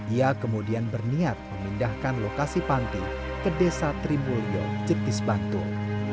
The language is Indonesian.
ia kemudian berniat memindahkan lokasi panti ke desa trimulyo jetis bantul